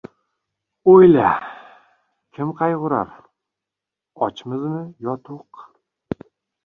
O‘yla, kim qayg‘urar ochmizmi, yo to‘q